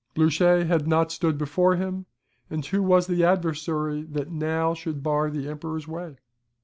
Blucher had not stood before him; and who was the Adversary that now should bar the Emperor's way?